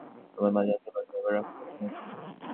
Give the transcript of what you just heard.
তোমার মা জানতে পারলে আবার রাগ করবেন না তো?